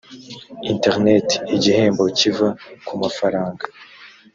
interineti igihembo kiva ku mafaranga